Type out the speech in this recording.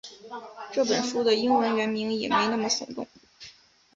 这本书的英文原名也没那么耸动